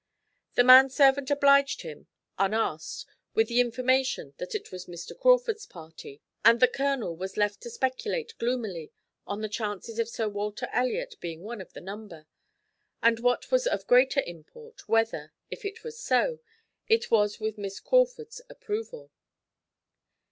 The manservant obliged him, unasked, with the information that it was Mr. Crawford's party, and the Colonel was left to speculate gloomily on the chances of Sir Walter Elliot being one of the number, and what was of greater import whether, if it was so, it was with Miss Crawford's approval.